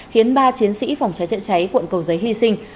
khiến ba chiến sĩ phòng cháy chữa cháy quận cầu giấy hy sinh